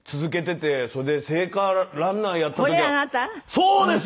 そうです！